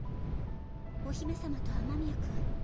お姫様と雨宮君